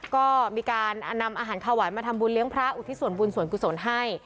ก็มีการนำอาหารข้าวหวานมาทำบุญเลี้ยงพระอุทิศส่วนบุญส่วนกุศลให้